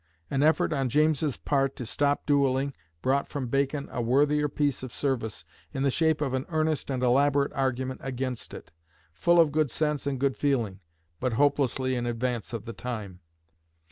An effort on James's part to stop duelling brought from Bacon a worthier piece of service, in the shape of an earnest and elaborate argument against it, full of good sense and good feeling, but hopelessly in advance of the time.